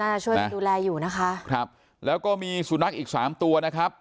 ช่วยกันดูแลอยู่นะคะครับแล้วก็มีสุนัขอีกสามตัวนะครับ